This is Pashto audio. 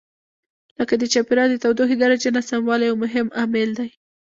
لکه د چاپېریال د تودوخې درجې ناسموالی یو مهم عامل دی.